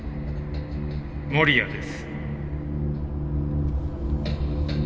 守谷です。